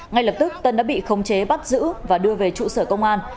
ngay lập tức tân đã bị khống chế bắt giữ và đưa về trụ sở công an